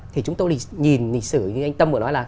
thì chúng tôi nhìn lịch sử như anh tâm vừa nói là